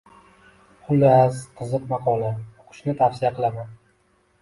Xullas, qiziq maqola, o‘qishni tavsiya qilaman.